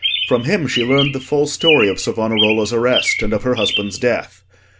From him she learned the full story of Savonarola's arrest, and of her husband's death.